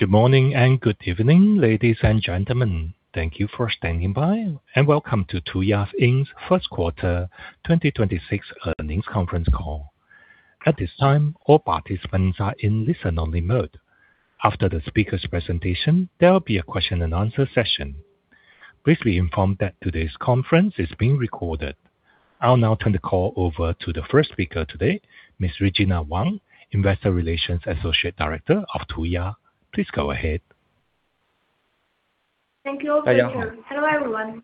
Good morning and good evening, ladies and gentlemen. Thank you for standing by, and welcome to Tuya Inc.'s first quarter 2026 earnings conference call. At this time, all participants are in listen only mode. After the speaker's presentation, there will be a question and answer session. Briefly informed that today's conference is being recorded. I'll now turn the call over to the first speaker today, Ms. Regina Wang, Investor Relations Associate Director of Tuya. Please go ahead. Thank you. Hi, Yang. Hello, everyone.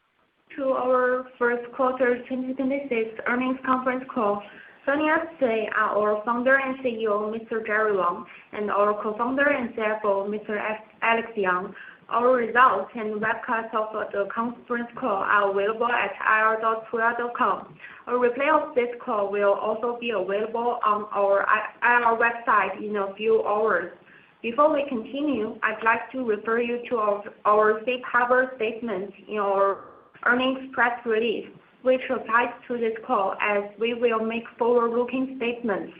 To our first quarter 2026 earnings conference call. Joining us today are our Founder and CEO, Mr. Jerry Wang, and our Co-founder and CFO, Mr. Alex Yang. Our results and webcast of the conference call are available at ir.tuya.com. A replay of this call will also be available on our IR website in a few hours. Before we continue, I'd like to refer you to our safe harbor statement in our earnings press release, which applies to this call as we will make forward-looking statements.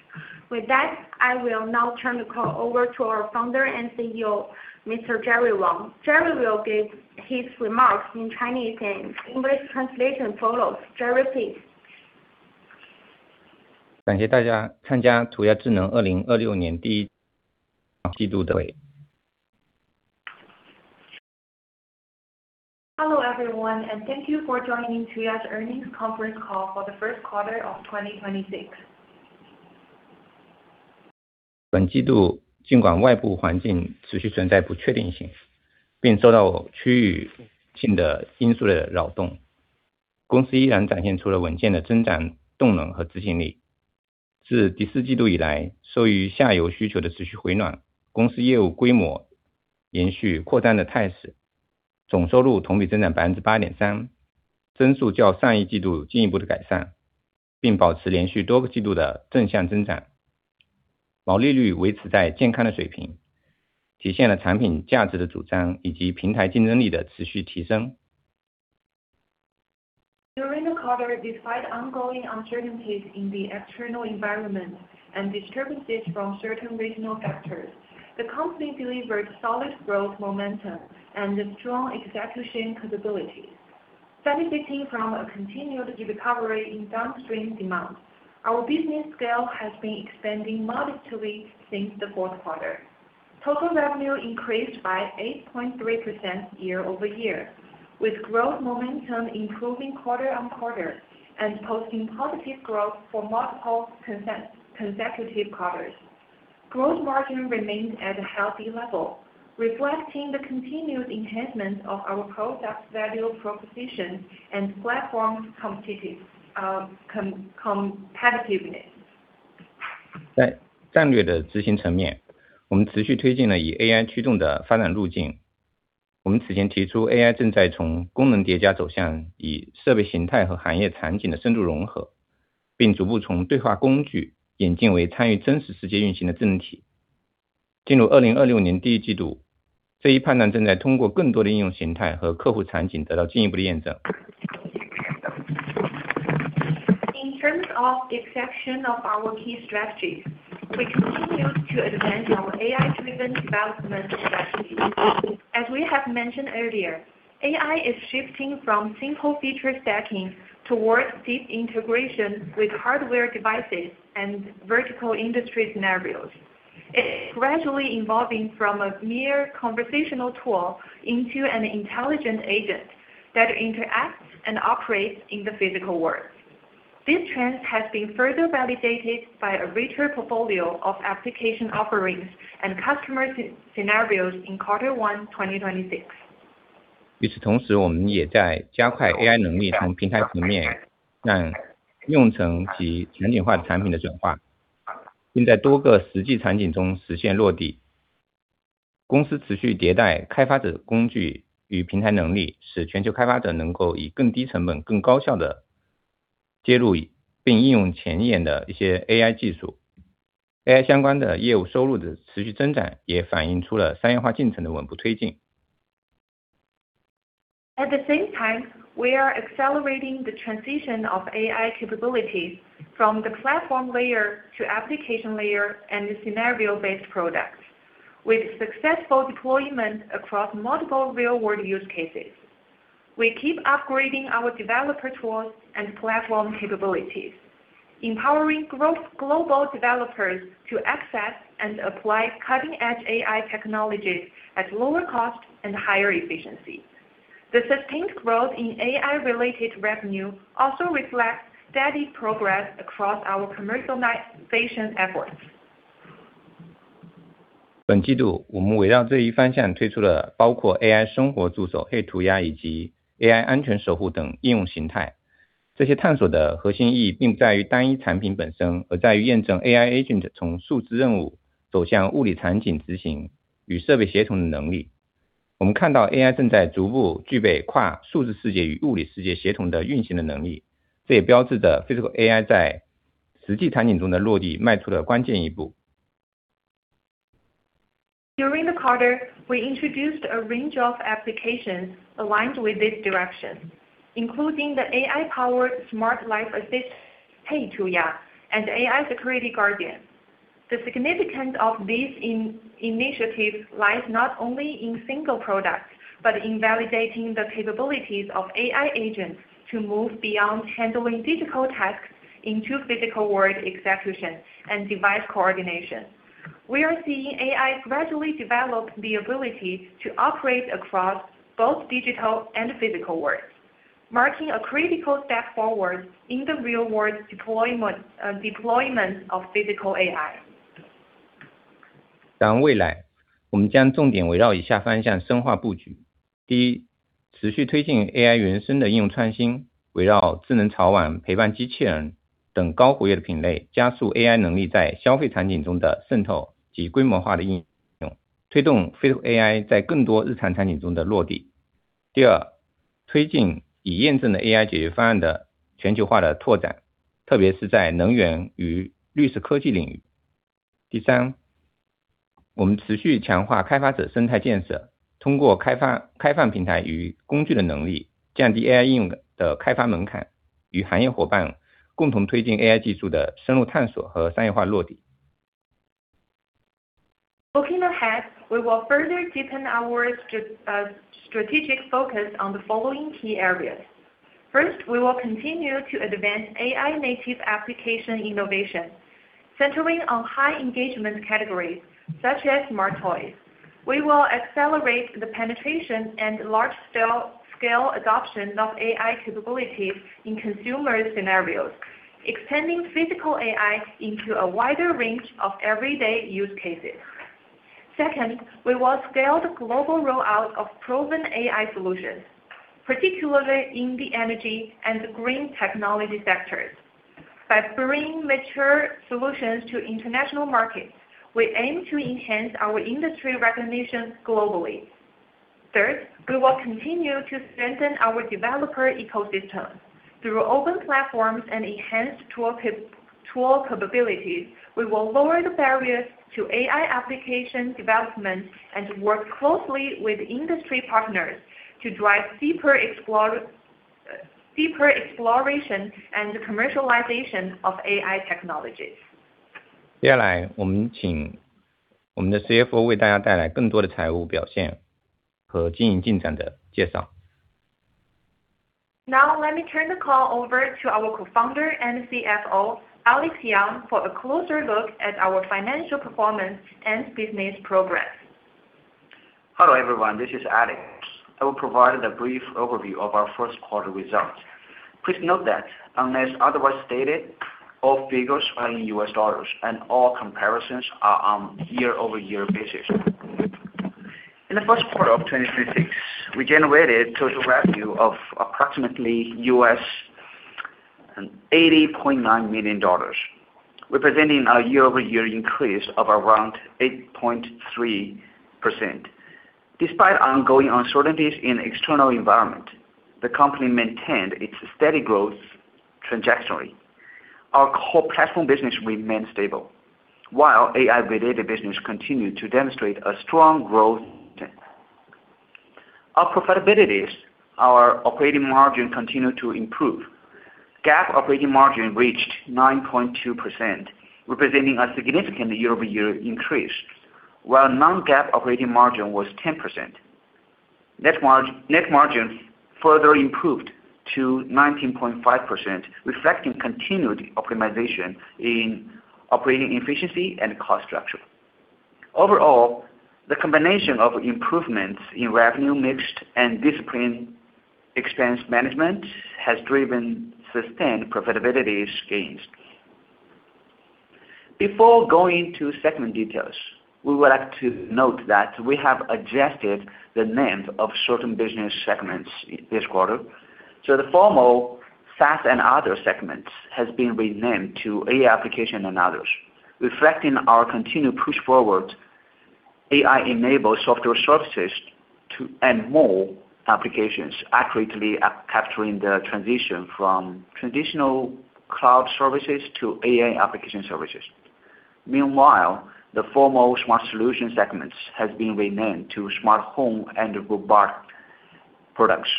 With that, I will now turn the call over to our Founder and CEO, Mr. Jerry Wang. Jerry will give his remarks in Chinese and English translation follows. Jerry, please. Hello, everyone, and thank you for joining Tuya's earnings conference call for the first quarter of 2026. During the quarter, despite ongoing uncertainties in the external environment and disturbances from certain regional factors, the company delivered solid growth momentum and a strong execution capability. Benefiting from a continued recovery in downstream demand, our business scale has been expanding modestly since the fourth quarter. Total revenue increased by 8.3% year-over-year, with growth momentum improving quarter-on-quarter and posting positive growth for multiple consecutive quarters. Gross margin remained at a healthy level, reflecting the continued enhancement of our product value proposition and platform competitiveness. In terms of execution of our key strategies, we continue to advance our AI-driven development strategy. As we have mentioned earlier, AI is shifting from simple feature stacking towards deep integration with hardware devices and vertical industry scenarios. It is gradually evolving from a mere conversational tool into an intelligent agent that interacts and operates in the physical world. This trend has been further validated by a richer portfolio of application offerings and customer scenarios in quarter one 2026. At the same time, we are accelerating the transition of AI capabilities from the platform layer to application layer and the scenario-based products. With successful deployment across multiple real-world use cases, we keep upgrading our developer tools and platform capabilities, empowering growth global developers to access and apply cutting-edge AI technologies at lower cost and higher efficiency. The sustained growth in AI-related revenue also reflects steady progress across our commercialization efforts. During the quarter, we introduced a range of applications aligned with this direction, including the AI-powered smart life assistant, Hey Tuya, and AI Security Guardian. The significance of these initiatives lies not only in single products, but in validating the capabilities of AI agents to move beyond handling digital tasks into physical world execution and device coordination. We are seeing AI gradually develop the ability to operate across both digital and physical worlds, marking a critical step forward in the real world deployment of physical AI. Looking ahead, we will further deepen our strategic focus on the following key areas. First, we will continue to advance AI-native application innovation. Centering on high engagement categories such as smart toys. We will accelerate the penetration and large scale adoption of AI capabilities in consumer scenarios, extending physical AI into a wider range of everyday use cases. Second, we will scale the global rollout of proven AI solutions, particularly in the energy and green technology sectors. By bringing mature solutions to international markets, we aim to enhance our industry recognitions globally. Third, we will continue to strengthen our developer ecosystem. Through open platforms and enhanced tool capabilities, we will lower the barriers to AI application development and work closely with industry partners to drive deeper exploration and the commercialization of AI technologies. Now, let me turn the call over to our Co-founder and CFO, Alex Yang, for a closer look at our financial performance and business progress. Hello, everyone. This is Alex. I will provide a brief overview of our first quarter results. Please note that unless otherwise stated, all figures are in US dollars and all comparisons are on year-over-year basis. In the first quarter of 2026, we generated total revenue of approximately $80.9 million, representing a year-over-year increase of around 8.3%. Despite ongoing uncertainties in external environment, the company maintained its steady growth trajectory. Our core platform business remained stable, while AI-related business continued to demonstrate a strong growth trend. Our operating margin continued to improve. GAAP operating margin reached 9.2%, representing a significant year-over-year increase, while non-GAAP operating margin was 10%. Net margin further improved to 19.5%, reflecting continued optimization in operating efficiency and cost structure. Overall, the combination of improvements in revenue mix and disciplined expense management has driven sustained profitability gains. Before going to segment details, we would like to note that we have adjusted the names of certain business segments this quarter. The former SaaS and others segment has been renamed to AI application and others, reflecting our continued push forward AI-enabled software services and more applications accurately at capturing the transition from traditional cloud services to AI application services. The former Smart solution segment has been renamed to Smart Home and Robot Products,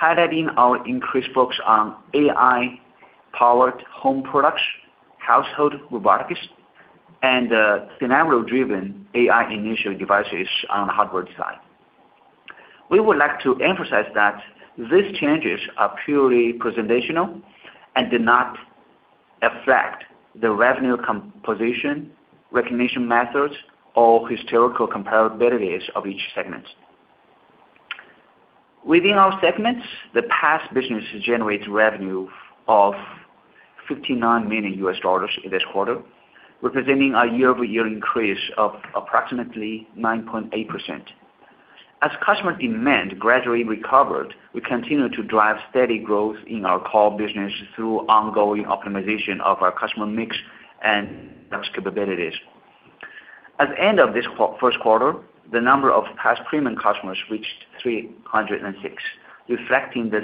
highlighting our increased focus on AI-powered home products, household robotics, and scenario-driven AI initial devices on the hardware side. We would like to emphasize that these changes are purely presentational and do not affect the revenue composition, recognition methods, or historical comparabilities of each segment. Within our segments, the PaaS business generates revenue of $59 million this quarter, representing a year-over-year increase of approximately 9.8%. As customer demand gradually recovered, we continue to drive steady growth in our core business through ongoing optimization of our customer mix and those capabilities. At the end of this first quarter, the number of PaaS premium customers reached 306, reflecting the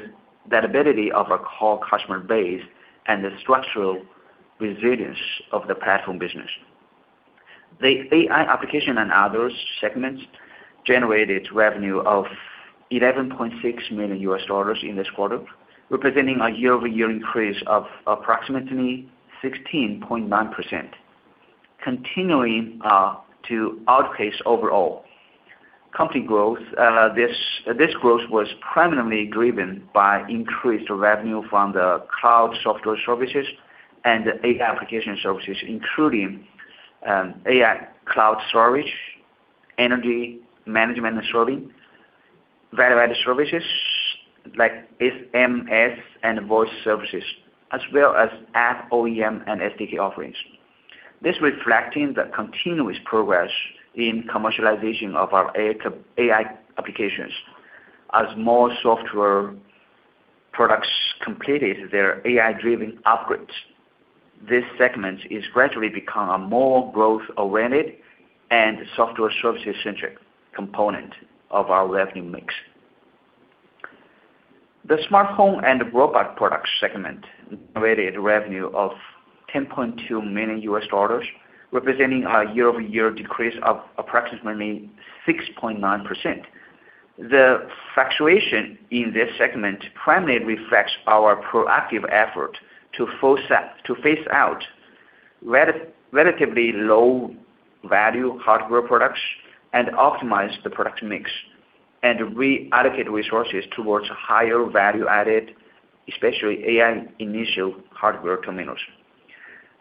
stability of our core customer base and the structural resilience of the platform business. The AI application & others segments generated revenue of $11.6 million in this quarter, representing a year-over-year increase of approximately 16.9%, continuing to outpace overall company growth. This growth was primarily driven by increased revenue from the cloud software services and AI application services, including AI cloud storage, energy management and saving, value-added services like SMS and voice services, as well as app OEM and SDK offerings. This reflecting the continuous progress in commercialization of our AI applications. As more software products completed their AI-driven upgrades, this segment is gradually become a more growth-oriented and software service-centric component of our revenue mix. The Smart home & robot product segment generated revenue of $10.2 million, representing a year-over-year decrease of approximately 6.9%. The fluctuation in this segment primarily reflects our proactive effort to phase out relatively low-value hardware products and optimize the product mix, and reallocate resources towards higher value-added, especially AI-native hardware terminals.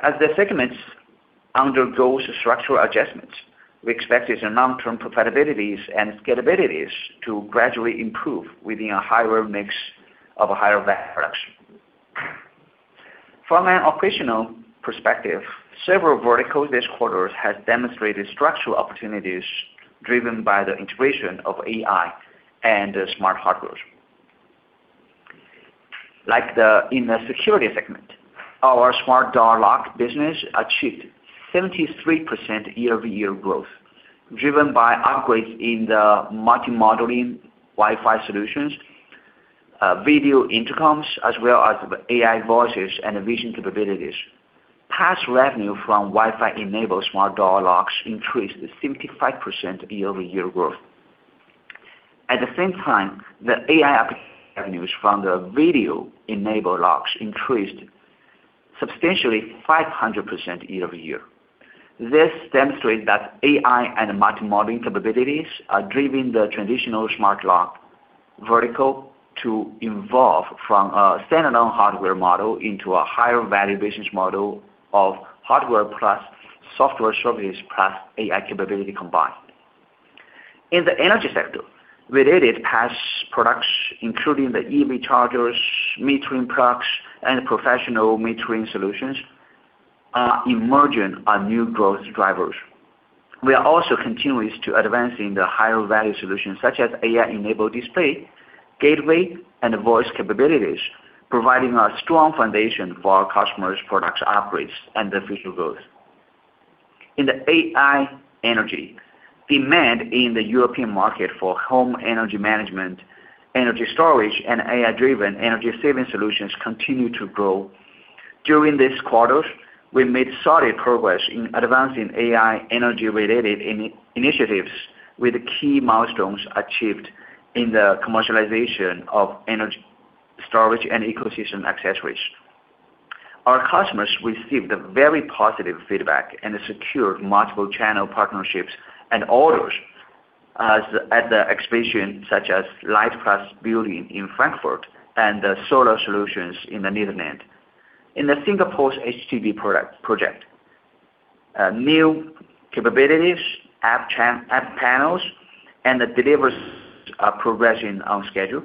As the segments undergoes structural adjustments, we expect its long-term profitabilities and scalabilities to gradually improve within a higher mix of a higher value production. From an operational perspective, several vertical this quarters has demonstrated structural opportunities driven by the integration of AI and smart hardware. In the security segment, our smart door lock business achieved 73% year-over-year growth, driven by upgrades in the multi-modal Wi-Fi solutions, video intercoms, as well as AI voices and vision capabilities. PaaS revenue from Wi-Fi-enabled smart door locks increased 75% year-over-year growth. At the same time, the AI application revenues from the video-enabled locks increased substantially 500% year-over-year. This demonstrate that AI and multi-modal capabilities are driving the traditional smart lock vertical to evolve from a standalone hardware model into a higher value business model of hardware plus software service plus AI capability combined. In the energy sector, related PaaS products, including the EV chargers, metering products, and professional metering solutions, are emerging on new growth drivers. We are also continuous to advancing the higher value solutions such as AI-enabled display, gateway, and voice capabilities, providing a strong foundation for our customers' product upgrades and the future growth. In the AI energy, demand in the European market for home energy management, energy storage, and AI-driven energy-saving solutions continue to grow. During this quarters, we made solid progress in advancing AI energy-related initiatives with key milestones achieved in the commercialization of energy storage and ecosystem accessories. Our customers received a very positive feedback and secured multiple channel partnerships and orders at the exhibition such as Light+Building in Frankfurt and the Solar Solutions in the Netherlands. In the Singapore's HDB project, new capabilities, app panels, and deliverables are progressing on schedule.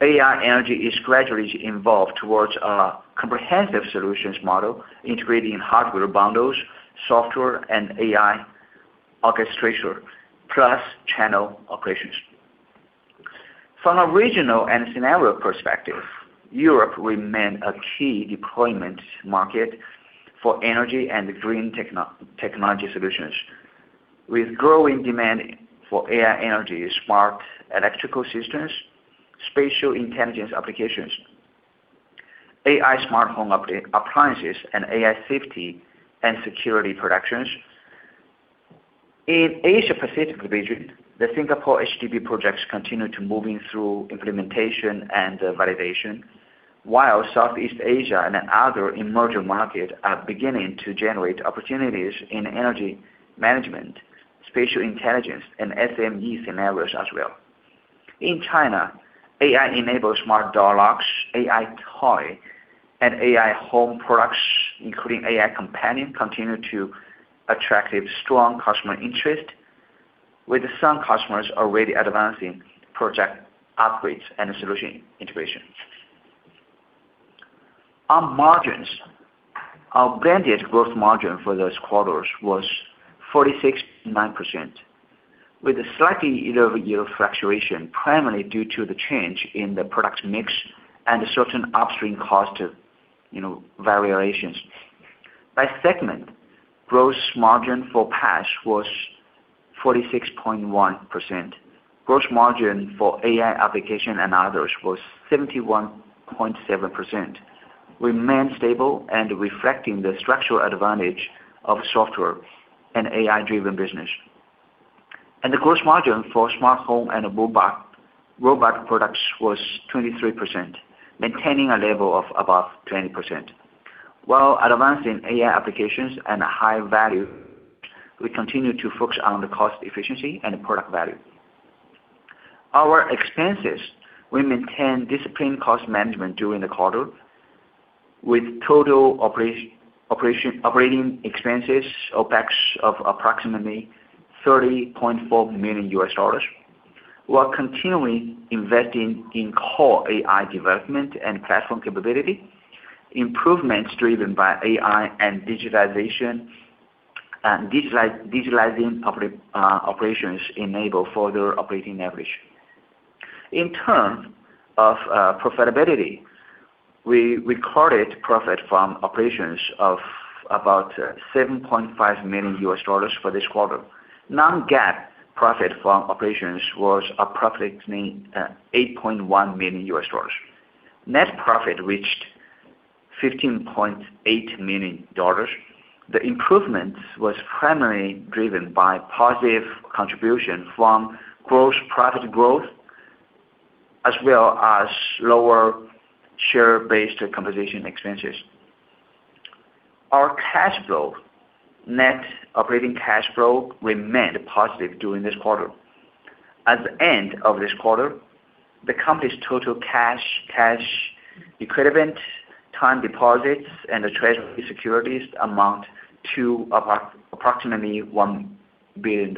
AI energy is gradually evolving towards a comprehensive solutions model integrating hardware bundles, software, and AI orchestration, plus channel operations. From a regional and scenario perspective, Europe remains a key deployment market for energy and green technology solutions. With growing demand for AI energy, smart electrical systems, spatial intelligence applications, AI smartphone appliances, and AI safety and security productions. In Asia Pacific region, the Singapore HDB projects continue to move through implementation and validation, while Southeast Asia and other emerging markets are beginning to generate opportunities in energy management, spatial intelligence, and SME scenarios as well. In China, AI-enabled smart door locks, AI toy, and AI home products, including AI companion, continue to attract strong customer interest, with some customers already advancing project upgrades and solution integrations. On margins, our blended gross margin for this quarters was 46.9%, with a slightly year-over-year fluctuation, primarily due to the change in the product mix and certain upstream cost, you know, variations. By segment, gross margin for PaaS was 46.1%. Gross margin for AI application & others was 71.7%. Remain stable and reflecting the structural advantage of software and AI-driven business. The gross margin for Smart home & robot product was 23%, maintaining a level of above 20%. While advancing AI applications and high value, we continue to focus on the cost efficiency and product value. Our expenses, we maintain disciplined cost management during the quarter, with total operating expenses, OpEx, of approximately $30.4 million, while continually investing in core AI development and platform capability. Improvements driven by AI and digitalization, and digitalizing public operations enable further operating leverage. In terms of profitability, we recorded profit from operations of about $7.5 million for this quarter. Non-GAAP profit from operations was approximately $8.1 million. Net profit reached $15.8 million. The improvement was primarily driven by positive contribution from gross profit growth, as well as lower share-based compensation expenses. Our net operating cash flow remained positive during this quarter. At the end of this quarter, the company's total cash equivalent, time deposits, and treasury securities amount to approximately $1 billion+.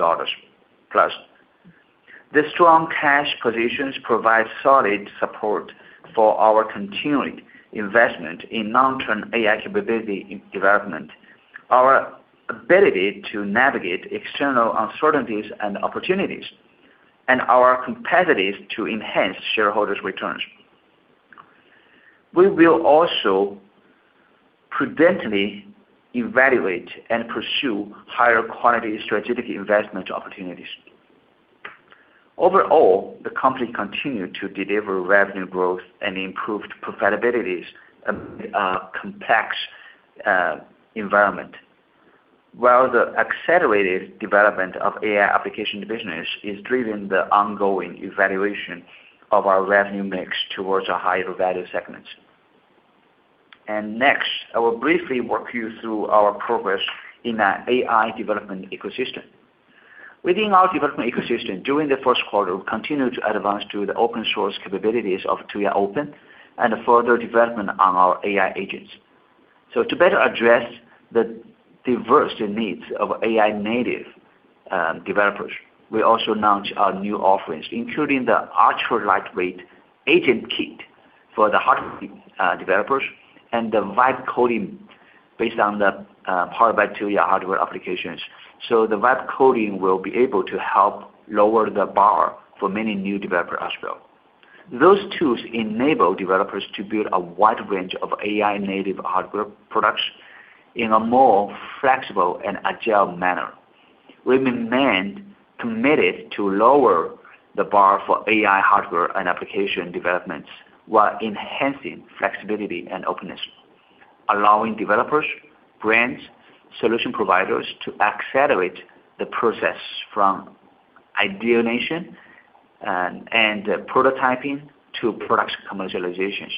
The strong cash positions provide solid support for our continuing investment in long-term AI capability development, our ability to navigate external uncertainties and opportunities, and our commitment to enhance shareholders' returns. We will also prudently evaluate and pursue higher quality strategic investment opportunities. Overall, the company continued to deliver revenue growth and improved profitabilities amid a complex environment. While the accelerated development of AI application business is driven the ongoing evaluation of our revenue mix towards a higher value segment. Next, I will briefly walk you through our progress in the AI development ecosystem. Within our development ecosystem, during the first quarter, we continued to advance to the open source capabilities of TuyaOpen and further development on our AI agents. To better address the diverse needs of AI-native developers, we also launched our new offerings, including the ultra-lightweight agent kit for the hardware developers and the Vibe Coding based on the powered by Tuya hardware applications. The Vibe Coding will be able to help lower the bar for many new developers as well. Those tools enable developers to build a wide range of AI-native hardware products in a more flexible and agile manner. We remain committed to lower the bar for AI hardware and application developments while enhancing flexibility and openness, allowing developers, brands, solution providers to accelerate the process from ideation and prototyping to product commercialization.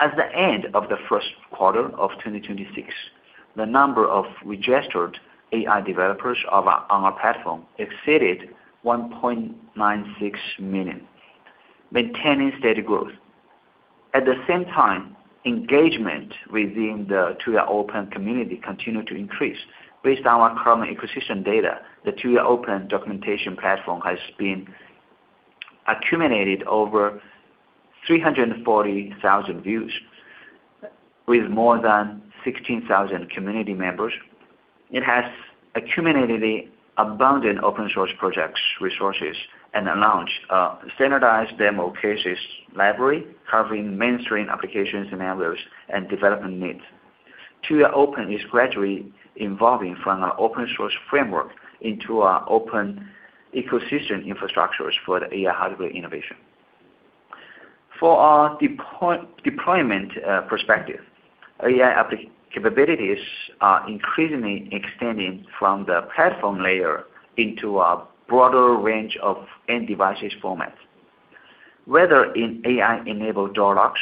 At the end of the first quarter of 2026, the number of registered AI developers on our platform exceeded 1.96 million, maintaining steady growth. At the same time, engagement within the TuyaOpen community continued to increase. Based on our current acquisition data, the TuyaOpen documentation platform has been accumulated over 340,000 views. With more than 16,000 community members. It has accumulated abundant open source projects, resources, and launched a standardized demo cases library covering mainstream applications scenarios and development needs. TuyaOpen is gradually evolving from an open source framework into an open ecosystem infrastructure for AI hardware innovation. For our deployment perspective, AI capabilities are increasingly extending from the platform layer into a broader range of end device formats. Whether in AI-enabled door locks,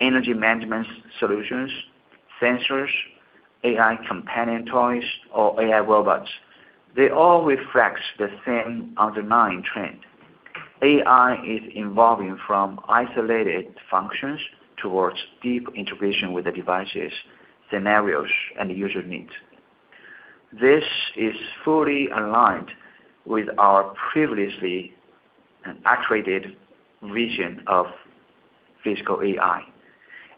energy management solutions, sensors, AI companion toys, or AI robots, they all reflect the same underlying trend. AI is evolving from isolated functions towards deep integration with the devices, scenarios, and user needs. This is fully aligned with our previously articulated vision of physical AI,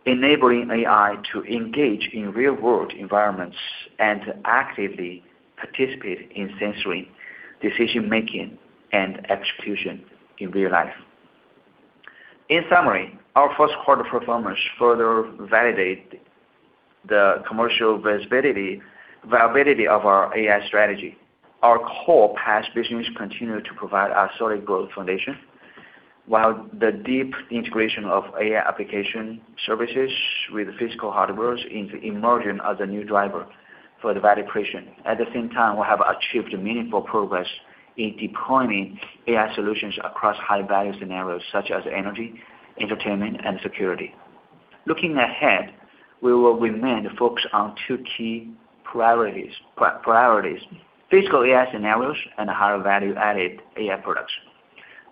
enabling AI to engage in real-world environments and actively participate in sensory decision-making and execution in real life. In summary, our first quarter performance further validates the commercial viability of our AI strategy. Our core PaaS business continue to provide a solid growth foundation, while the deep integration of AI application services with physical hardwares is emerging as a new driver for the value creation. At the same time, we have achieved meaningful progress in deploying AI solutions across high-value scenarios such as energy, entertainment, and security. Looking ahead, we will remain focused on two key priorities: physical AI scenarios and higher value-added AI products.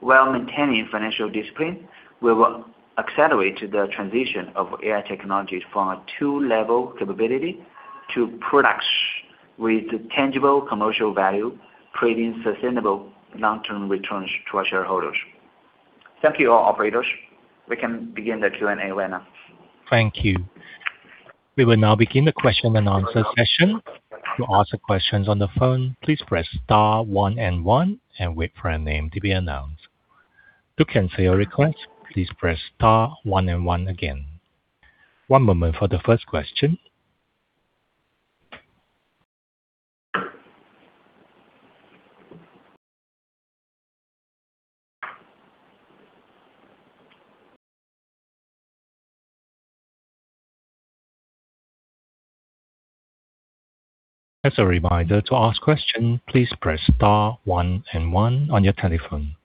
While maintaining financial discipline, we will accelerate the transition of AI technology from a two-level capability to products with tangible commercial value, creating sustainable long-term returns to our shareholders. Thank you, all operators. We can begin the Q&A right now. Thank you. We will now begin the question and answer session. To ask questions on the phone, please press star one and one and wait for your name to be announced. To cancel your request, please press star one and one again. One moment for the first question. As a reminder, to ask question, please press star one and one on your telephone.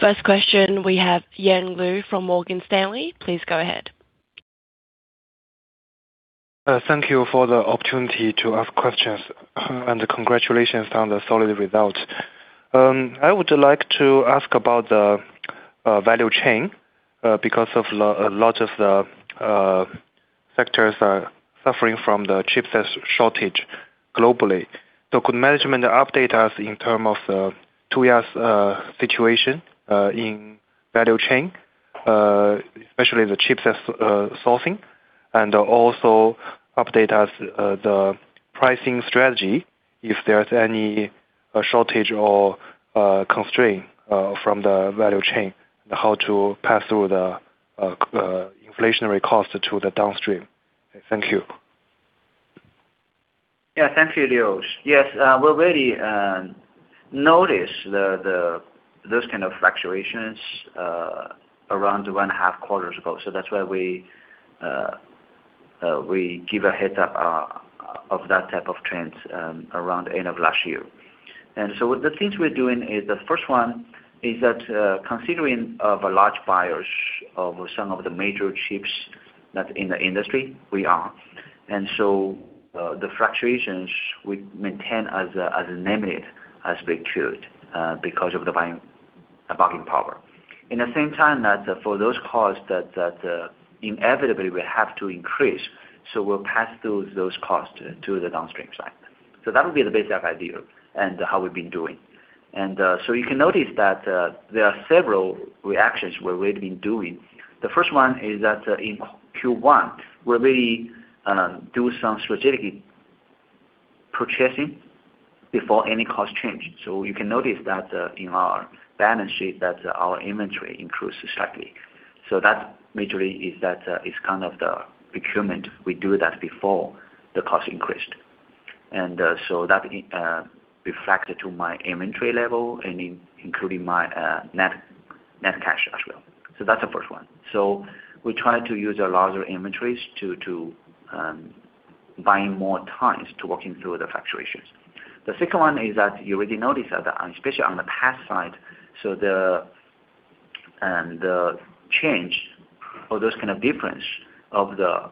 First question, we have Yang Liu from Morgan Stanley. Please go ahead. Thank you for the opportunity to ask questions, and congratulations on the solid result. I would like to ask about the value chain because a lot of the sectors are suffering from the chipsets shortage globally. Could management update us in terms of Tuya's situation in value chain, especially the chipsets sourcing? Also update us the pricing strategy, if there's any shortage or constraint from the value chain, and how to pass through the inflationary cost to the downstream. Thank you. Thank you, Liu. Yes, we already noticed those kind of fluctuations around 1.5 quarters ago. That's why we give a heads up of that type of trends around end of last year. The things we're doing is, the first one is that, considering of large buyers of some of the major chips that in the industry we are. The fluctuations we maintain as limited as we could because of the buying power. In the same time that for those costs that inevitably will have to increase, we'll pass through those costs to the downstream side. That would be the basic idea and how we've been doing. You can notice that there are several reactions where we've been doing. The first one is that in Q1, we're really do some strategic purchasing before any cost change. You can notice that in our balance sheet that our inventory increased slightly. That majorly is that is kind of the procurement. We do that before the cost increased. That reflected to my inventory level, and including my net cash as well. That's the first one. We try to use a larger inventories to buying more times to working through the fluctuations. The second one is that you already noticed that, especially on the PaaS side, the change or those kind of difference of the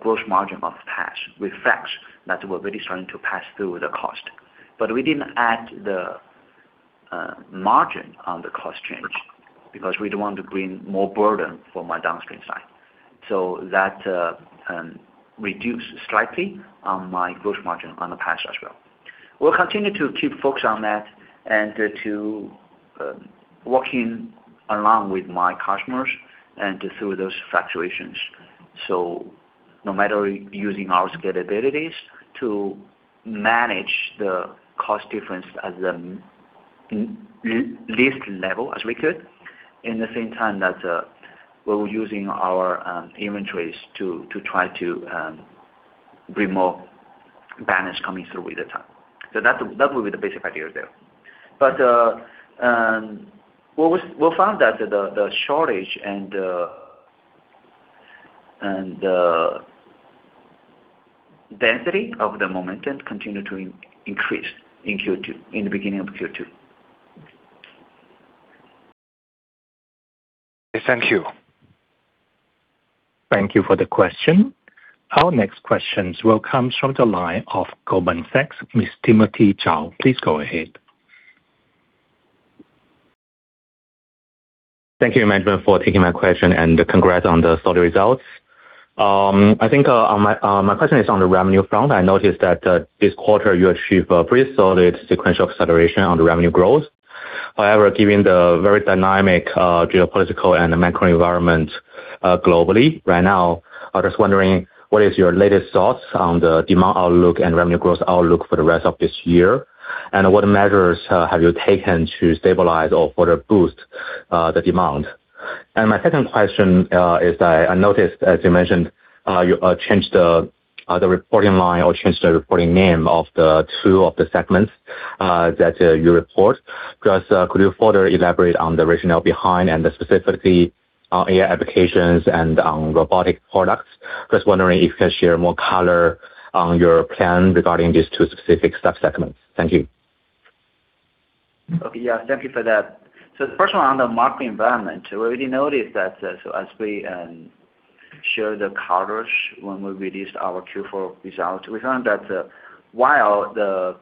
gross margin of PaaS reflects that we're really starting to pass through the cost. We didn't add the margin on the cost change because we don't want to bring more burden for my downstream side. That reduced slightly on my gross margin on the PaaS as well. We'll continue to keep focused on that and to working along with my customers and through those fluctuations. No matter using our scalabilities to manage the cost difference at the least level as we could, in the same time that we're using our inventories to try to bring more balance coming through with the time. That would be the basic idea there. We found that the shortage and the density of the momentum continued to increase in Q2, in the beginning of Q2. Thank you. Thank you for the question. Our next questions will come from the line of Goldman Sachs. Mr. Timothy Zhao, please go ahead. Thank you, management, for taking my question, and congrats on the solid results. I think my question is on the revenue front. I noticed that this quarter you achieved a pretty solid sequential acceleration on the revenue growth. However, given the very dynamic geopolitical and the macro environment globally right now, I was wondering what is your latest thoughts on the demand outlook and revenue growth outlook for the rest of this year? What measures have you taken to stabilize or further boost the demand? My second question is I noticed, as you mentioned, you changed the reporting line or changed the reporting name of the two of the segments that you report. Just, could you further elaborate on the rationale behind and the specificity, AI applications and robotic products? Just wondering if you can share more color on your plan regarding these two specific sub-segments. Thank you. Okay. Yes, thank you for that. First of all, on the market environment, we already noticed that, as we share the coverage when we released our Q4 results, we found that, while the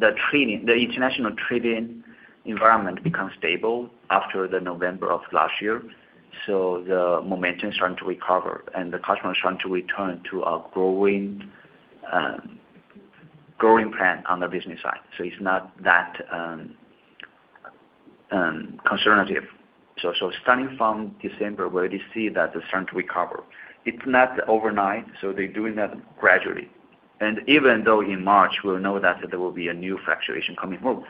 international trading environment becomes stable after the November of last year. The momentum is starting to recover, and the customer is trying to return to a growing plan on the business side. It's not that conservative. Starting from December, we already see that they're starting to recover. It's not overnight, so they're doing that gradually. Even though in March we'll know that there will be a new fluctuation coming home.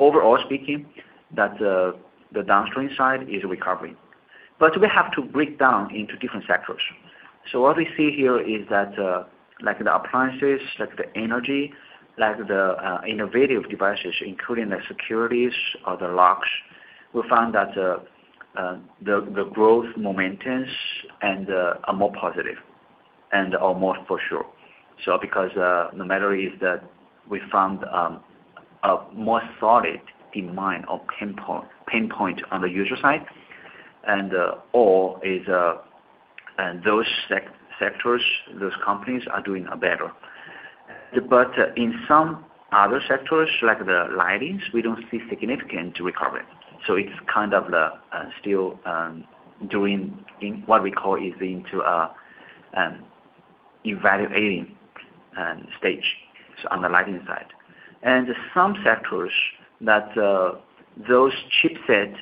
Overall speaking, that the downstream side is recovering. We have to break down into different sectors. What we see here is that, like the appliances, like the energy, like the innovative devices, including the securities or the locks, we found that the growth momentums are more positive and almost for sure. Because no matter is that we found a more solid demand or pinpoint on the user side, or is and those sectors, those companies are doing a better. In some other sectors, like the lightings, we don't see significant recovery. It's kind of the still doing in what we call is into evaluating stage on the lighting side. Some sectors that those chipset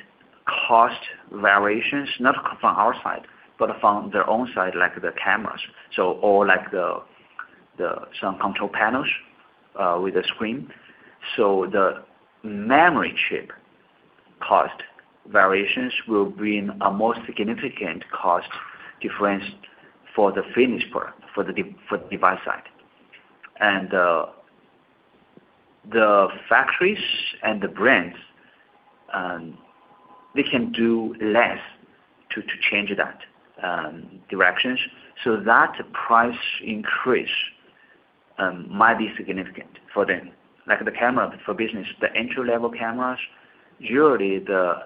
cost variations, not from our side, but from their own side, like the cameras or like some control panels with a screen. The memory chip cost variations will bring a more significant cost difference for the device side. The factories and the brands, they can do less to change that directions. That price increase might be significant for them. Like the camera for business, the entry-level cameras, usually the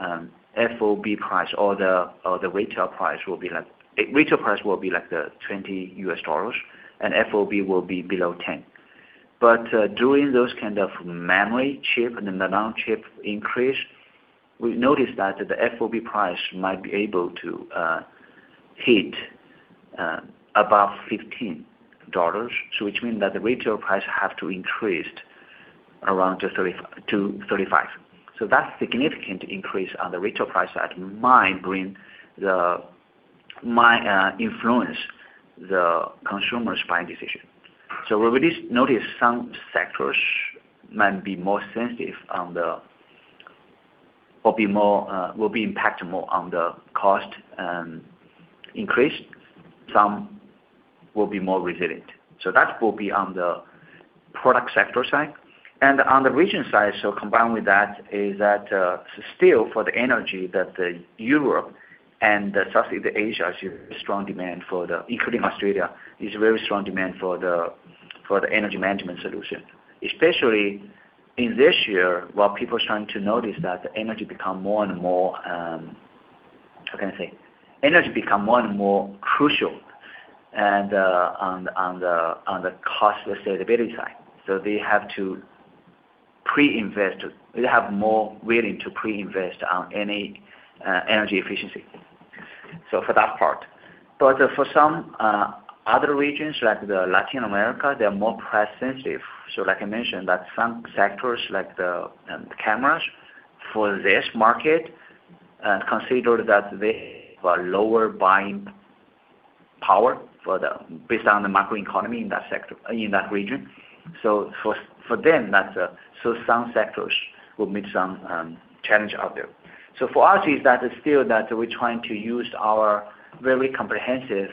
FOB price or the retail price will be like $20, and FOB will be below $10. During those kind of memory chip and the [nano] chip increase, we've noticed that the FOB price might be able to hit above $15. Which mean that the retail price have to increased around to $30-$35. That significant increase on the retail price side might influence the consumer's buying decision. We already notice some sectors might be more sensitive or be more impacted more on the cost increase. Some will be more resilient. That will be on the product sector side. On the region side, combined with that is that still for the energy that Europe and Southeast Asia is a strong demand for, including Australia, is a very strong demand for the energy management solution. Especially in this year, while people are trying to notice that the energy become more and more, how can I say? Energy become more and more crucial and on the cost sustainability side. They have to pre-invest. They have more willing to pre-invest on any energy efficiency. For that part. For some other regions, like the Latin America, they are more price sensitive. Like I mentioned, that some sectors like the cameras for this market consider that they have a lower buying power based on the macroeconomy in that sector, in that region. For them, that's. Some sectors will meet some challenge out there. For us is that still that we're trying to use our very comprehensive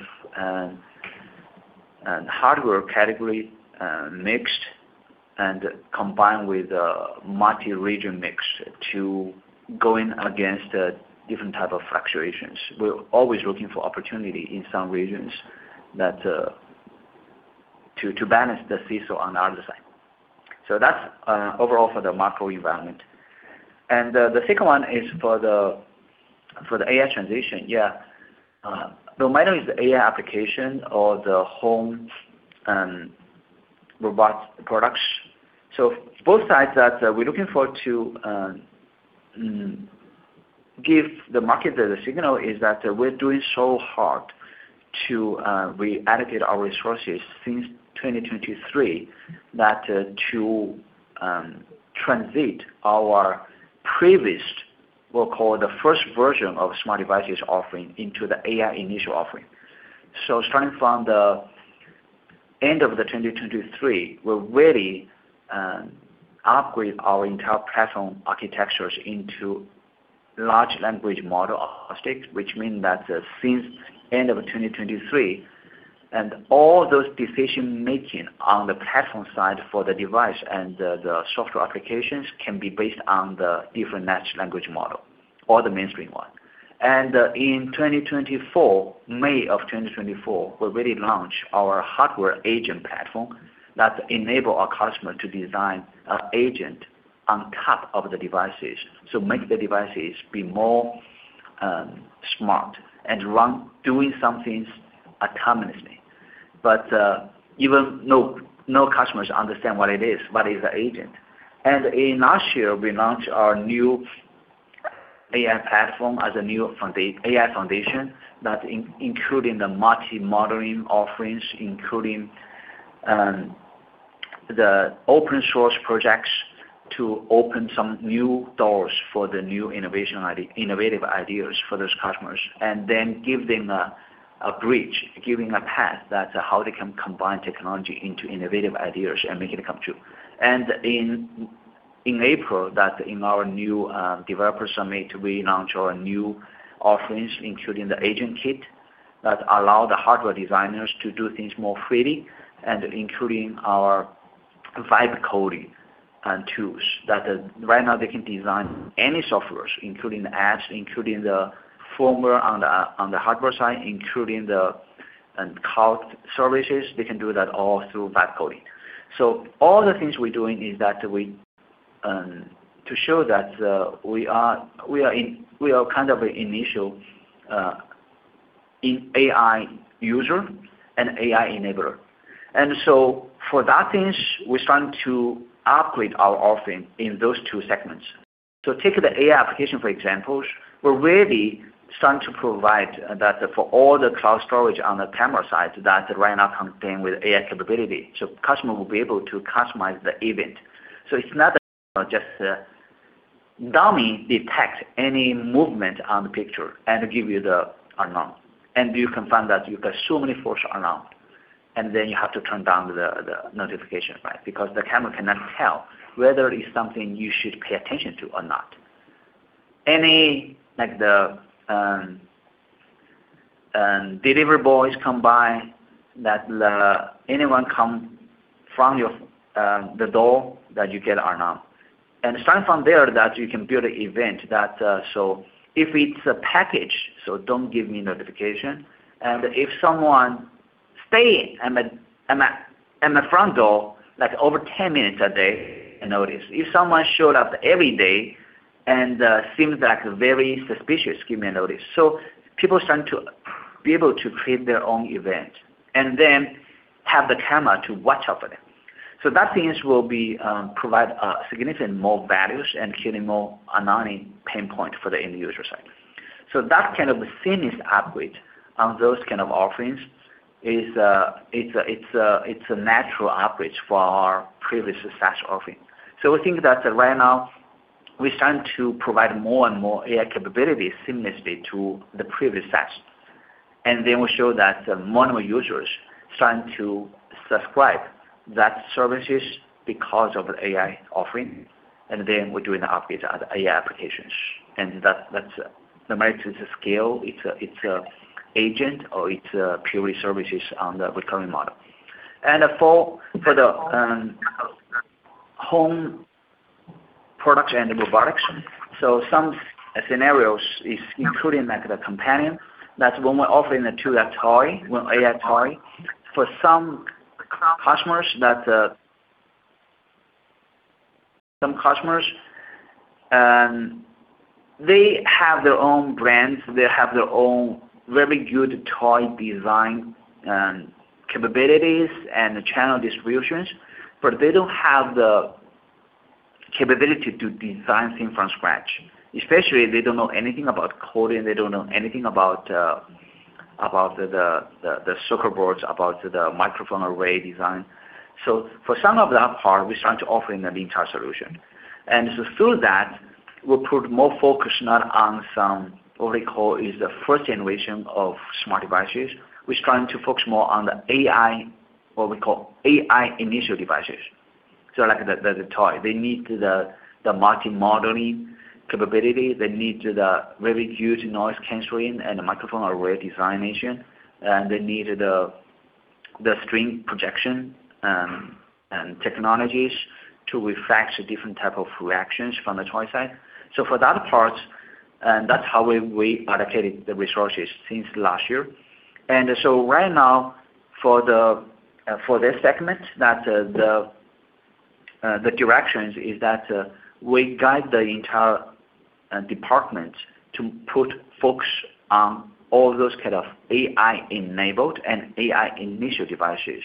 hardware category mixed and combined with a multi-region mix to going against different type of fluctuations. We're always looking for opportunity in some regions that to balance the seesaw on the other side. That's overall for the macro environment. The second one is for the AI transition. Mainly is the AI application or the home robot products. Both sides that we're looking for to give the market the signal is that we're doing so hard to reallocate our resources since 2023 that to transit our previous, we'll call it, the first version of smart devices offering into the AI initial offering. Starting from the end of 2023, we're really upgrade our entire platform architectures into large language model agnostic, which mean that since end of 2023 and all those decision-making on the platform side for the device and the software applications can be based on the different large language model or the mainstream one. In 2024, May of 2024, we already launch our hardware agent platform that enable our customer to design an agent on top of the devices. Make the devices be more smart and doing some things autonomously. Even no customers understand what it is, what is the agent. In last year, we launched our new AI platform as a new AI foundation that including the multi-modal offerings, including the open source projects to open some new doors for the new innovative ideas for those customers, give them a bridge, giving a path that how they can combine technology into innovative ideas and make it come true. In April, in our new developer summit, we launched our new offerings, including the agent kit that allow the hardware designers to do things more freely and including our Vibe Coding, and tools that right now they can design any software, including the apps, including the firmware on the hardware side, including the cloud services. They can do that all through Vibe Coding. All the things we're doing is that we to show that we are kind of initial in AI user and AI enabler. For that things, we're trying to upgrade our offering in those two segments. Take the AI application, for example. We're really starting to provide that for all the AI cloud storage on the camera side that right now come with AI capability. Customer will be able to customize the event. It's not just a dummy detect any movement on the picture and give you the alarm. You can find that you get so many false alarm, then you have to turn down the notification, right? Because the camera cannot tell whether it's something you should pay attention to or not. Any, like, the delivery boys come by, that anyone come from your door that you get alarm. Starting from there that you can build an event that, so if it's a package, so don't give me notification. If someone stay at my front door, like, over 10 minutes a day, I notice. If someone showed up every day and seems like very suspicious, give me a notice. People start to be able to create their own event and then have the camera to watch out for them. That things will be provide significant more values and killing more annoying pain point for the end user side. That kind of seamless upgrade on those kind of offerings is it's a natural upgrade for our previous SaaS offering. We think that right now, we're starting to provide more and more AI capabilities seamlessly to the previous SaaS. We show that the normal users starting to subscribe that services because of the AI offering, and then we're doing the upgrade on the AI applications. That's no matter if it's a scale, it's a agent, or it's a purely services on the recurring model. For the home products and robotics, some scenarios include like the companion. That's when we're offering the Tuya toy, or AI toy. For some customers that, some customers, they have their own brands, they have their own very good toy design capabilities and the channel distributions, but they don't have the capability to design things from scratch. Especially if they don't know anything about coding, they don't know anything about the circuit boards, about the microphone array design. For some of that part, we're starting to offer in the entire solution. Through that, we'll put more focus not on some, what we call is the 1st generation of smart devices. We're trying to focus more on the AI, what we call AI-native devices. Like the toy. They need the multi-modal capability. They need the very huge noise canceling and the microphone array design engine. They need the string projection technologies to reflect different type of reactions from the toy side. For that part, that's how we allocated the resources since last year. Right now for this segment, the directions is that we guide the entire department to focus on all those kind of AI-enabled and AI-native devices.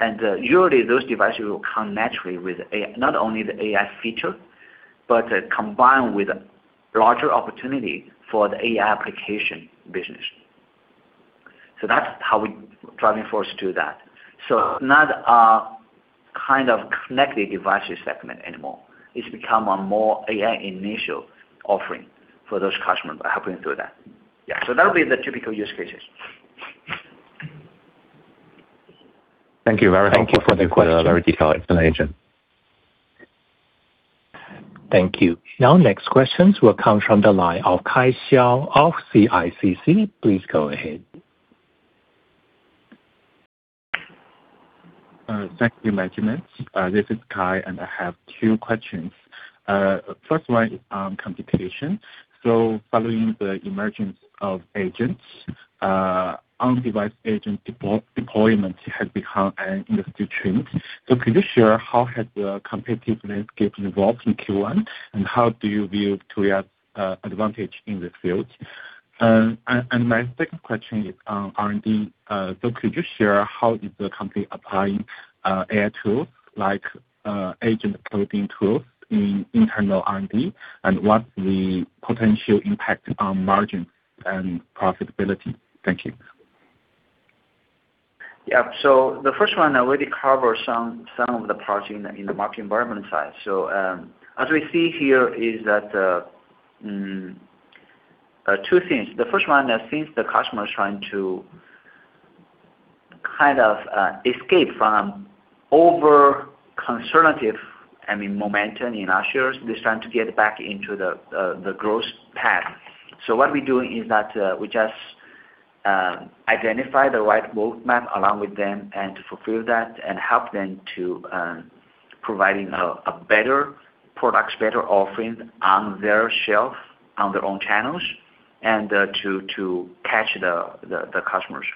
Usually, those devices will come naturally with AI, not only the AI feature, but combined with larger opportunity for the AI application business. That's how we driving force to that. Not a kind of connected devices segment anymore. It's become a more AI-native offering for those customers by helping through that. Yeah. That would be the typical use cases. Thank you very much. Thank you for the question. For the very detailed explanation. Thank you. Now next questions will come from the line of Kai Xiao of CICC. Please go ahead. Thank you. This is Kai, and I have two questions. First one is on computation. Following the emergence of agents, on device agent deployment has become an industry trend. Could you share how has the competitive landscape evolved in Q1, and how do you view Tuya's advantage in this field? And my second question is on R&D. Could you share how is the company applying AI tools like agent coding tools in internal R&D, and what's the potential impact on margin and profitability? Thank you. The first one, I already covered some of the parts in the market environment side. As we see here is that two things. The first one is since the customer is trying to kind of escape from over conservative, I mean, momentum in U.S. years, they're trying to get back into the growth path. What we're doing is that we just identify the right roadmap along with them and to fulfill that and help them to providing a better products, better offerings on their shelf, on their own channels, and to catch the customers,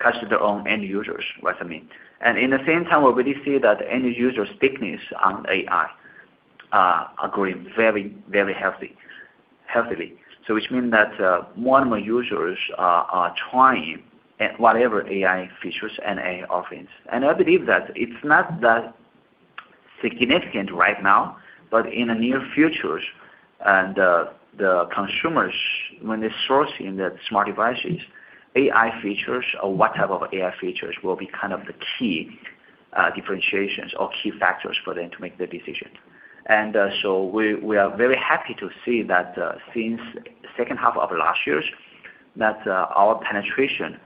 catch their own end users, what I mean. In the same time, we really see that end user's thickness on AI are growing very healthily. Which mean that more and more users are trying at whatever AI features and AI offerings. I believe that it's not that significant right now, but in the near futures, the consumers, when they're sourcing the smart devices, AI features or what type of AI features will be kind of the key differentiations or key factors for them to make the decision. We are very happy to see that since second half of last year's, that our penetration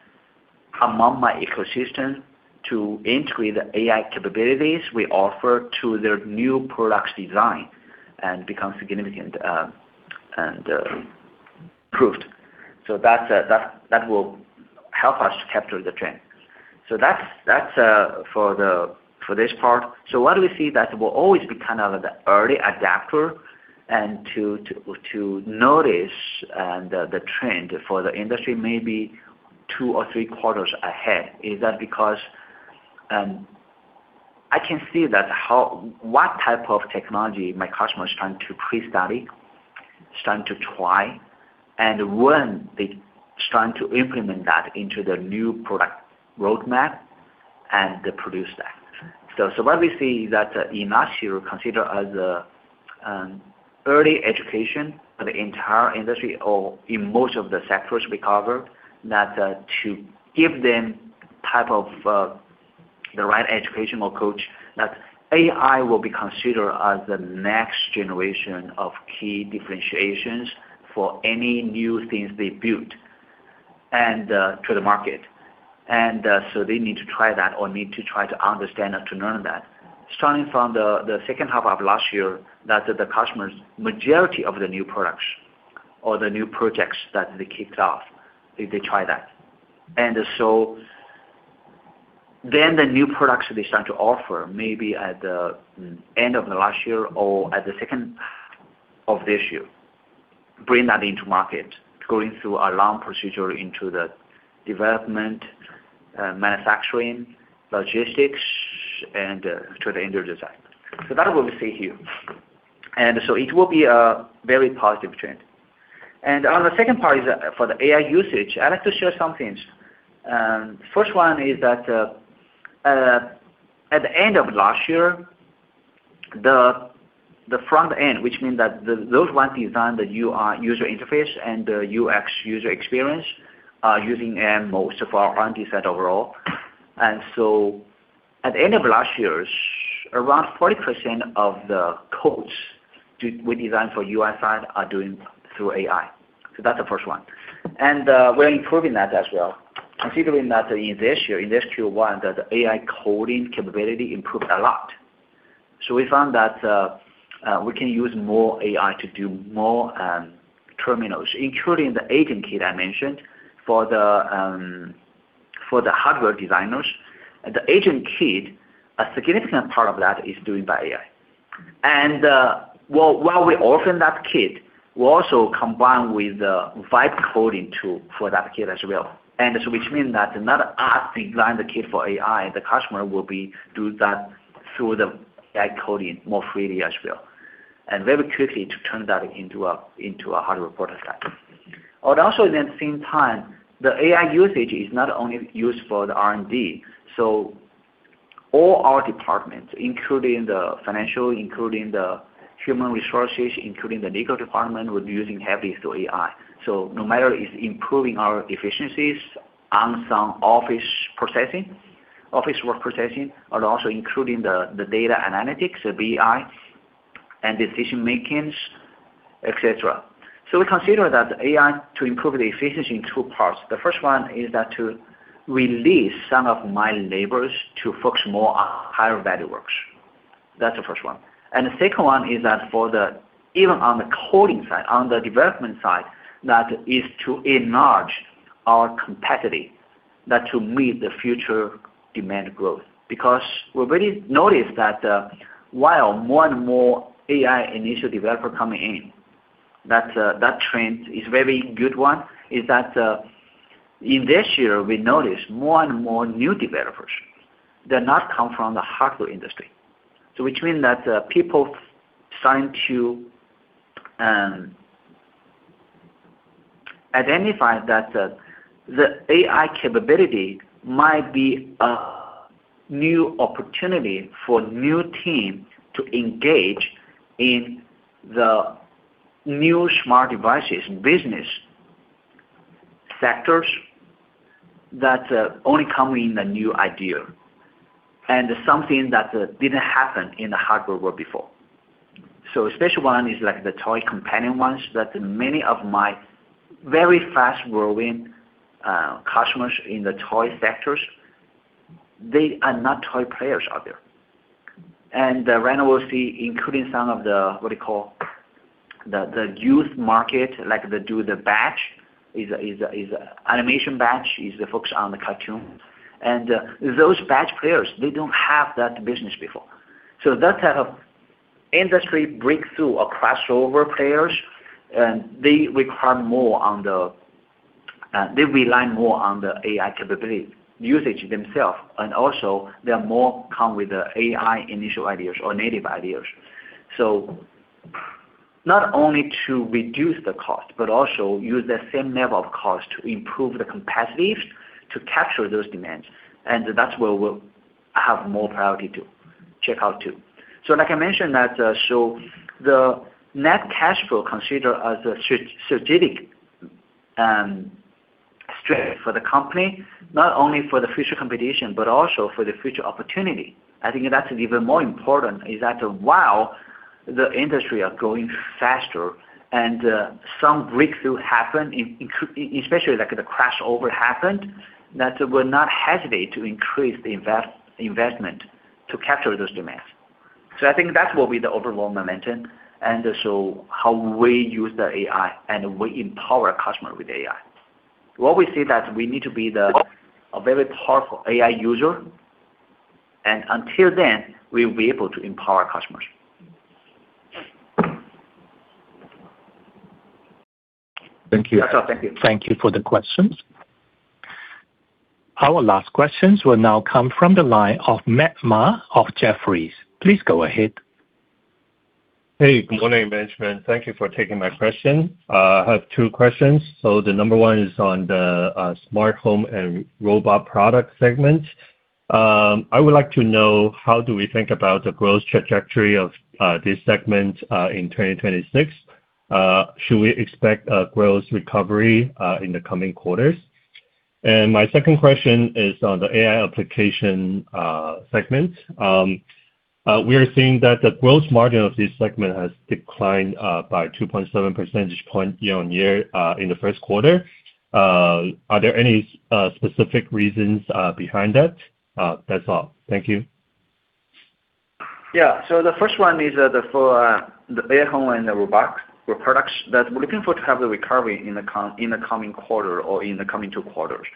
among my ecosystem to integrate AI capabilities we offer to their new products design and become significant and proved. That will help us capture the trend. That's for the, for this part. What we see that will always be kind of the early adapter and to notice the trend for the industry maybe two or three quarters ahead, is that because I can see that what type of technology my customer is trying to pre-study, starting to try, and when they starting to implement that into the new product roadmap and produce that. What we see is that in that you consider as a early education for the entire industry or in most of the sectors we cover, that to give them type of the right educational coach, that AI will be considered as the next generation of key differentiations for any new things they built and to the market. They need to try that or need to try to understand and to learn that. Starting from the second half of last year, that the customers, majority of the new products or the new projects that they kicked off, they try that. The new products they start to offer maybe at the end of the last year or at the second half of this year. Bring that into market, going through a long procedure into the development, manufacturing, logistics, and to the end of design. That what we see here. It will be a very positive trend. On the second part is, for the AI usage, I'd like to share some things. First one is that, at the end of last year, the front end, which means that those ones design the UI user interface and the UX user experience, using a most of our R&D set overall. At the end of last year, around 40% of the codes we design for UI side are doing through AI. That's the first one. We're improving that as well, considering that in this year, in this Q1, that the AI coding capability improved a lot. We found that we can use more AI to do more terminals, including the agent kit I mentioned for the hardware designers. The agent kit, a significant part of that is doing by AI. While we open that kit, we also combine with the Vibe Coding tool for that kit as well. Which mean that not us design the agent kit for AI, the customer will be do that through the Vibe Coding more freely as well, and very quickly to turn that into a hardware prototype. In the same time, the AI usage is not only used for the R&D. All our departments, including the Financial, including the Human Resources, including the Legal Department, we're using heavily through AI. No matter it's improving our efficiencies on some office processing, office work processing, but also including the data analytics, the BI and decision makings, et cetera. We consider that AI to improve the efficiency in two parts. The first one is that to release some of my labors to focus more on higher value works. That's the first one. The second one is that even on the coding side, on the development side, that is to enlarge our capacity that to meet the future demand growth. We already noticed that while more and more AI-native developer coming in, that trend is very good one, is that in this year, we noticed more and more new developers that not come from the hardware industry. Which mean that people trying to identify that the AI capability might be a new opportunity for new team to engage in the new smart devices business sectors that only come in a new idea and something that didn't happen in the hardware world before. A special one is like the toy companion ones that many of my very fast-growing customers in the toy sectors, they are not toy players out there. We'll see including some of the youth market, like they do the batch, is a animation batch, is the folks on the cartoon. Those batch players, they don't have that business before. That type of industry breakthrough or crossover players, and they require more on the AI capability usage themselves, and also they are more come with the AI initial ideas or native ideas. Not only to reduce the cost, but also use the same level of cost to improve the capacities to capture those demands. That's where we'll have more priority to check out too. Like I mentioned that, the net cash flow considered as a strategic strategy for the company, not only for the future competition, but also for the future opportunity. I think that's even more important is that while the industry are growing faster and, some breakthrough happen, especially like the crossover happened, that we're not hesitate to increase the investment to capture those demands. I think that will be the overall momentum and so how we use the AI and we empower customer with AI. What we see that we need to be a very powerful AI user, and until then, we'll be able to empower customers. Thank you. That's all. Thank you. Thank you for the questions. Our last questions will now come from the line of Matt Ma of Jefferies. Please go ahead. Hey, good morning, management. Thank you for taking my question. I have two questions. The number one is on the Smart home & robot product segment. I would like to know how do we think about the growth trajectory of this segment in 2026? Should we expect a growth recovery in the coming quarters? My second question is on the AI application segment. We are seeing that the growth margin of this segment has declined by 2.7 percentage point year-over-year in the first quarter. Are there any specific reasons behind that? That's all. Thank you. The first one is for the Smart home & robot product that we're looking for to have the recovery in the coming quarter or in the coming two quarters.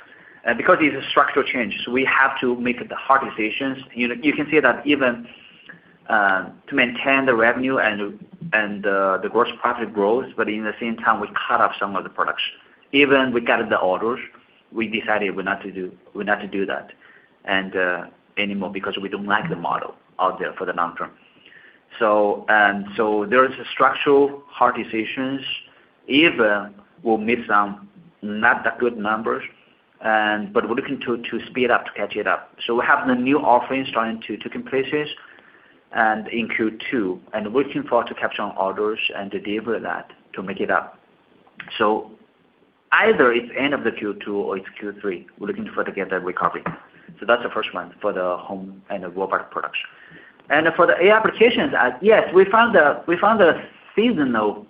Because it's a structural change, we have to make the hard decisions. You can see that even to maintain the revenue and the gross profit growth, in the same time, we cut off some of the production. Even we got the orders, we decided we're not to do that anymore because we don't like the model out there for the long term. There is structural hard decisions. Even we'll miss some not that good numbers, we're looking to speed up to catch it up. We're having a new offerings starting to taking places in Q2, and we're looking for to capture on orders and to deliver that to make it up. Either it's end of the Q2 or it's Q3, we're looking for to get that recovery. That's the first one for the Home and Robot Production. For the AI Applications, yes, we found a seasonal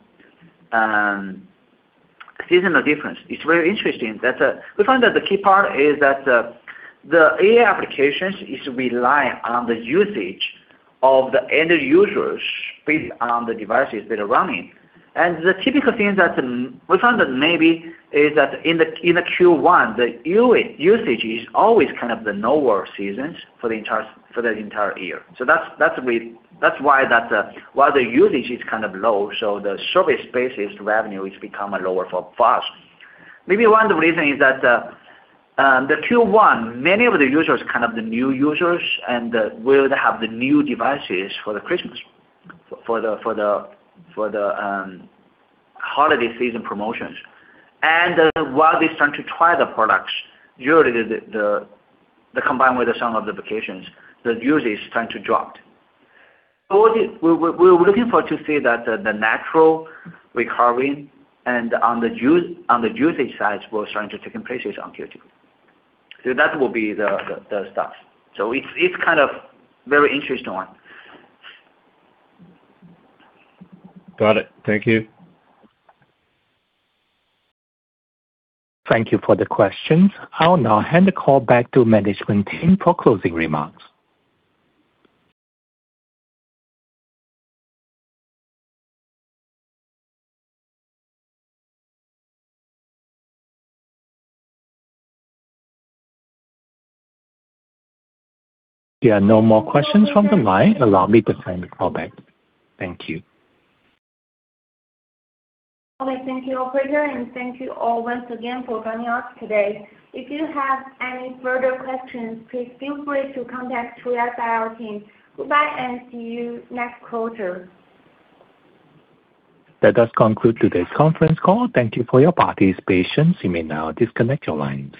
difference. It's very interesting that we found that the key part is that the AI Applications is relying on the usage of the end users based around the devices that are running. The typical things that we found that maybe is that in the Q1, the U.S. usage is always kind of the lower seasons for the entire year. That's why that, why the usage is kind of low, so the service-based revenue is become lower for us. Maybe one of the reason is that, the Q1, many of the users, kind of the new users and will have the new devices for the Christmas, for the holiday season promotions. While they start to try the products, usually the combined with some of the vacations, the usage start to dropped. We're looking for to see that the natural recovery and on the usage side will start to taking places on Q2. That will be the stuff. It's kind of very interesting one. Got it. Thank you. Thank you for the question. I'll now hand the call back to management team for closing remarks. There are no more questions from the line. Allow me to sign the call back. Thank you. Okay. Thank you, operator, and thank you all once again for joining us today. If you have any further questions, please feel free to contact Tuya's IR team. Goodbye and see you next quarter. That does conclude today's conference call. Thank you for your participation. You may now disconnect your lines.